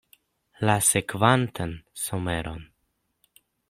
La sekvantan someron?